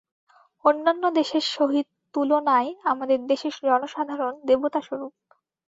অন্যান্য দেশের সহিত তুলনায় আমাদের দেশের জনসাধারণ দেবতাস্বরূপ।